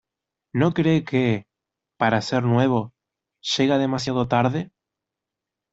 ¿ no cree que, para ser nuevo , llega demasiado tarde?